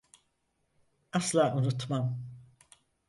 Asla unutmam.